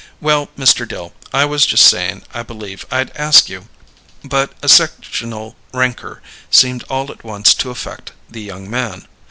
Well, Mr. Dill, I was just sayin' I believe I'd ask you " But a sectional rancour seemed all at once to affect the young man.